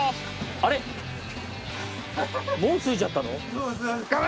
あれもう着いちゃったの？